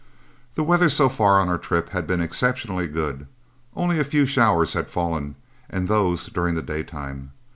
The weather so far on our trip had been exceptionally good; only a few showers had fallen, and those during the daytime.